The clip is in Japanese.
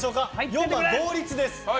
４番、同率です。